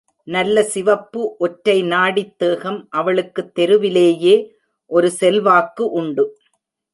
நல்ல சிவப்பு ஒற்றை நாடித் தேகம் அவளுக்குத் தெருவிலேயே ஒரு செல்வாக்கு உண்டு.